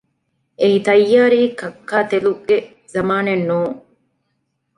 އެއީ ތައްޔާރީ ކައްކާތެލުގެ ޒަމާނެއް ނޫން